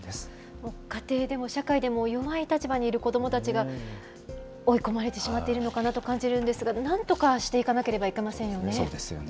家庭でも社会でも弱い立場にいる子どもたちが、追い込まれてしまっているのかなと感じるんですが、なんとかしていかなければいけませんよね。